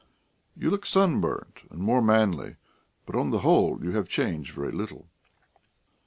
You look sunburnt and more manly, but on the whole you have changed very little."